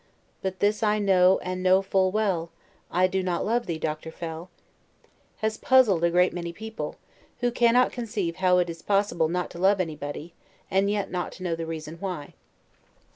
But this I know and know full well: I do not love thee Dr. Fell." D.W.] has puzzled a great many people, who cannot conceive how it is possible not to love anybody, and yet not to know the reason why.